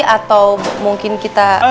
atau mungkin kita